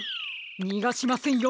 にがしませんよ